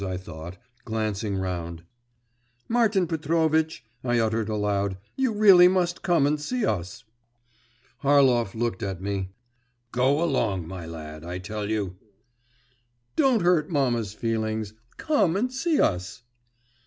I thought, glancing round. 'Martin Petrovitch!' I uttered aloud, 'you really must come and see us.' Harlov looked at me. 'Go along, my lad, I tell you.' 'Don't hurt mamma's feelings; come and see us.